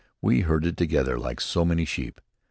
We herded together like so many sheep.